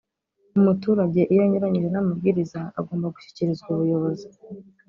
umuturage iyo anyuranyije n’amabwiriza agomba gushyikirizwa ubuyobozi